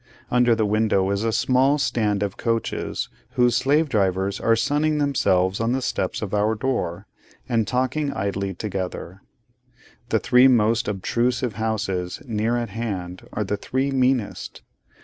Under the window is a small stand of coaches, whose slave drivers are sunning themselves on the steps of our door, and talking idly together. The three most obtrusive houses near at hand are the three meanest.